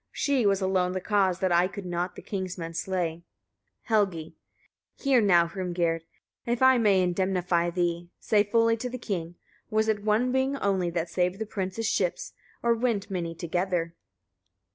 She was alone the cause that I could not the king's men slay. Helgi. 27. Hear now, Hrimgerd! If I may indemnify thee, say fully to the king: was it one being only, that saved the prince's ships, or went many together?